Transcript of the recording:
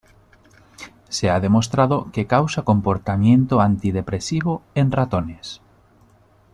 Se ha demostrado que causa comportamiento antidepresivo en ratones.